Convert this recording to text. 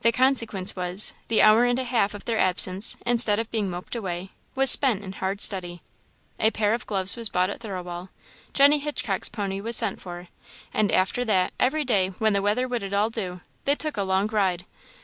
The consequence was, the hour and a half of their absence, instead of being moped away, was spent in hard study. A pair of gloves was bought at Thirlwall; Jenny Hitchcock's pony was sent for; and, after that, every day, when the weather would at all do, they took a long ride.